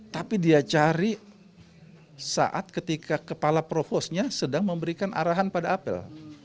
tapi dia cari saat ketika kepala provosnya sedang memberikan arahan pada apel